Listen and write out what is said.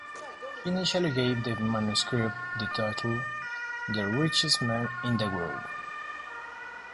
He initially gave the manuscript the title "The Richest Man in the World".